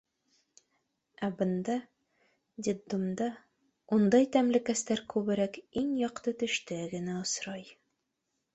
Ә бында, детдомда, ундай тәмлекәстәр күберәк иң яҡты төштә генә осрай.